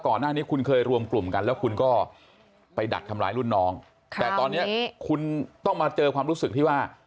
ก่อนหน้านี้คุณเคยรวมกลุ่มกันแล้วคุณก็ไปดักทำร้ายรุ่นน้องแต่ตอนนี้คุณต้องมาเจอความรู้สึกที่ว่า